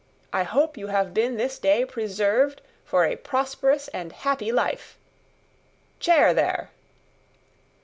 I hope you have been this day preserved for a prosperous and happy life. Chair there!"